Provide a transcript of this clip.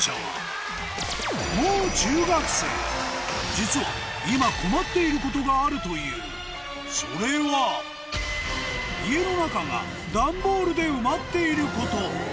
実は今困っていることがあるというそれは家の中が段ボールで埋まっていること